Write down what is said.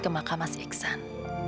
ke makam mas iksan